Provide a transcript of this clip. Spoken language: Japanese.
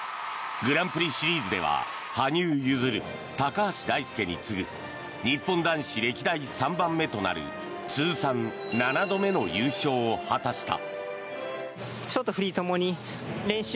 グランプリシリーズでは羽生結弦、高橋大輔に次ぐ日本男子歴代３番目となる通算７度目の優勝を果たした。